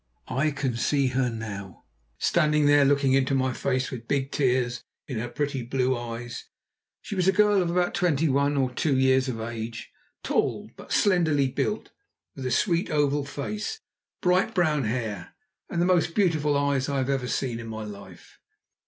I can see her now, standing there looking into my face with big tears in her pretty blue eyes. She was a girl of about twenty one or two years of age tall, but slenderly built, with a sweet oval face, bright brown hair, and the most beautiful eyes I have ever seen in my life.